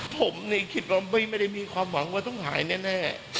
ผมนี่คิดว่าไม่ได้มีความหวังว่าต้องหายแน่